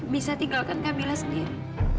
bisa tinggalkan kamila sendiri